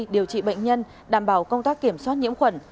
điều trị bệnh nhân đảm bảo công tác kiểm soát nhiễm khuẩn